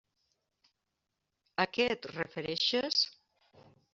A què et refereixes?